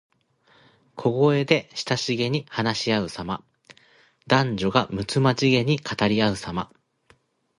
小声で親しげに話しあうさま。男女がむつまじげに語りあうさま。